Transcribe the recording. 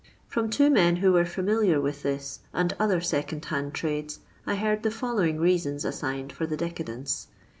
From two men, who were familiar with this and other second hand trades, I heard the following reasons assigned for the decadence.